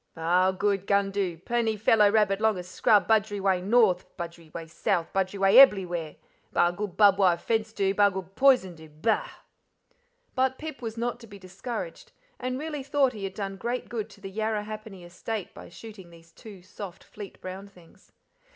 "Ba'al good, gun do. Plenty fellow rabbit longa scrub, budgery way north, budgery way south; budgery way eblywhere. Ba'al good barbed wire fence do, ba'al good poison do. Bah!" But Pip was not to be discouraged, and really thought he had done great good to the Yarrahappini estate by shooting those two soft, fleet brown things.